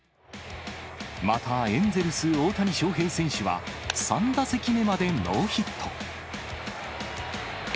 またエンゼルス、大谷翔平選手は、３打席目までノーヒット。